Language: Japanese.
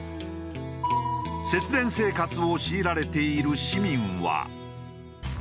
節電生活を強いられている市民は。